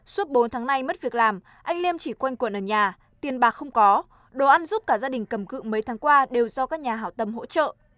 suốt bốn tháng nay mất việc làm anh liêm chỉ quanh cuộn ở nhà tiền bạc không có đồ ăn giúp cả gia đình cầm cự mấy tháng qua đều do các nhà hảo tâm hỗ trợ